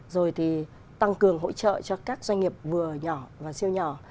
rồi thì tăng cường hỗ trợ cho các doanh nghiệp vừa nhỏ và siêu nhỏ